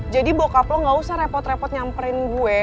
jadi bokap lo gak usah repot repot nyamperin gue